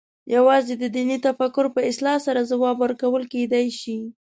یوازې د دیني تفکر په اصلاح سره ځواب ورکول کېدای شي.